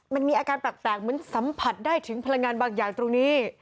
มันมีอาการแปลกเหมือนสัมผัสได้ถึงพลังงานบางอย่างตรงนี้